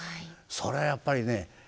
それはやっぱりね